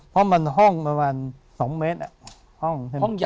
เพราะมันห้องประมาณ๒เมตร